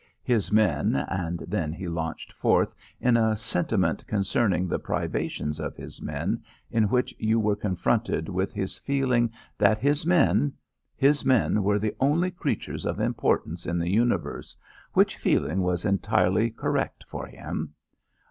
His men and then he launched forth in a sentiment concerning the privations of his men in which you were confronted with his feeling that his men his men were the only creatures of importance in the universe, which feeling was entirely correct for him.